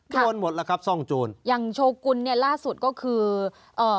โดนหมดแล้วครับซ่องโจรอย่างโชกุลเนี่ยล่าสุดก็คือเอ่อ